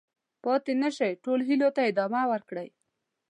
پاتې نه شئ، خپلو هیلو ته ادامه ورکړئ.